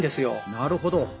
なるほど！